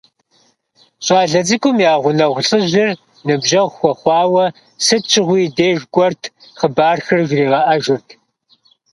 ЩӀалэ цӀыкӀум я гъунэгъу лӀыжьыр ныбжьэгъу хуэхъуауэ, сыт щыгъуи и деж кӀуэрт, хъыбархэр жригъэӀэжырт.